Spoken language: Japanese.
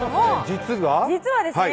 実はですね